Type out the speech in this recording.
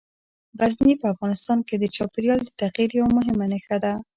غزني په افغانستان کې د چاپېریال د تغیر یوه مهمه نښه ده.